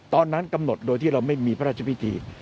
กำหนดโดยที่เราไม่มีพระราชพิธี